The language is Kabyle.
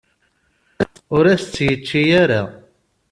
Ur as-tt-yečči ara.